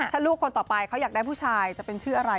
ถ้าลูกคนต่อไปเขาอยากได้ผู้ชายจะเป็นชื่ออะไร